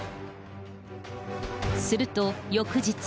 すると、翌日。